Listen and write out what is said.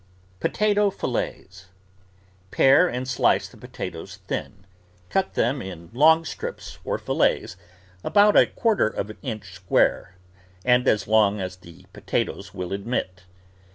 POTATO FILLETS Pare and slice the potatoes thin; cut them in long strips or fillets about a quarter of an inch square and as long as the potatoes will admit.